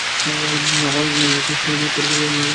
আমার মেয়ে কি আমাকে পরোক্ষভাবে মান্য করেনি?